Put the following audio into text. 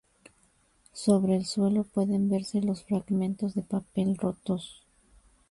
Sobre el suelo pueden verse los fragmentos de papel rotos.